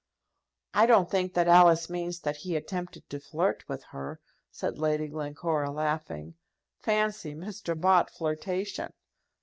"I don't think that Alice means that he attempted to flirt with her," said Lady Glencora, laughing. "Fancy Mr. Bott's flirtation!"